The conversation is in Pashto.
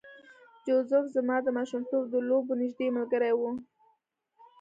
جوزف زما د ماشومتوب د لوبو نږدې ملګری و